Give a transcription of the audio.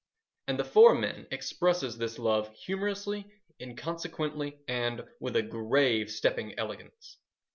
And The Four Men expresses this love humorously, inconsequently, and with a grave stepping eloquence.